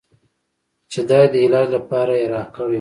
چې د ادې د علاج لپاره يې راکړى و.